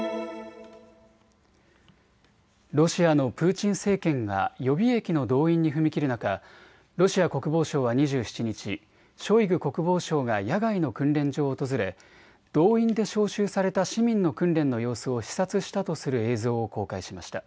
ロシアのプーチン政権が予備役の動員に踏み切る中、ロシア国防省は２７日、ショイグ国防相が野外の訓練場を訪れ、動員で招集された市民の訓練の様子を視察したとする映像を公開しました。